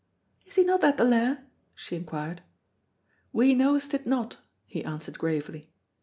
"Is he not at the Lair?" she inquired. "We knowest it not," he answered gravely.